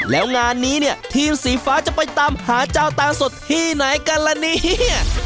แล้วงานนี้เนี่ยทีมสีฟ้าจะไปตามหาเจ้าตาสดที่ไหนกันละเนี่ย